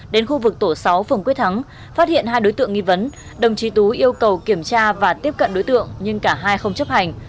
đến khu vực tổ sáu phường quyết thắng phát hiện hai đối tượng nghi vấn đồng chí tú yêu cầu kiểm tra và tiếp cận đối tượng nhưng cả hai không chấp hành